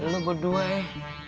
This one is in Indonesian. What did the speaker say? lo berdua ya